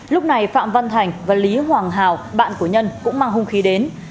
lúc này phạm văn thành và lý hoàng hào bạn của nhân cũng mang hung khí đến